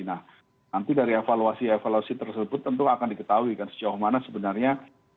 nah nanti dari evaluasi evaluasi tersebut tentu akan diketahui kan sejauh mana sebenarnya